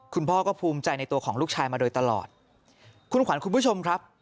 คุณพ่อก็ภูมิใจในตัวของลูกชายมาโดยตลอดคุณขวัญคุณผู้ชมครับ